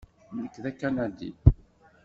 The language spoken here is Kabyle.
Nekk d Akanadi.